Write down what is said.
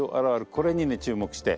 これにね注目して。